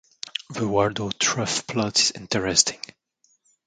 The Waldo Truth plot is interesting.